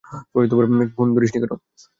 Phone ধরিসনি কেন?